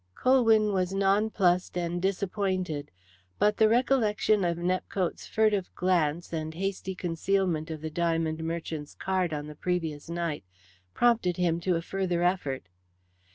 Colwyn was nonplussed and disappointed, but the recollection of Nepcote's furtive glance and hasty concealment of the diamond merchant's card on the previous night prompted him to a further effort.